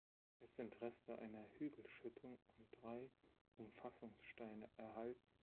Es sind Reste einer Hügelschüttung und drei Umfassungssteine erhalten.